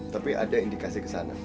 tapi ada indikasi ke sana